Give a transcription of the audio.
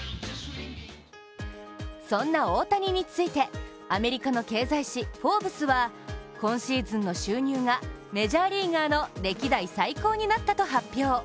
そんな大谷についてアメリカの経済誌「フォーブス」は今シーズンの収入がメジャーリーガーの歴代最高になったと発表。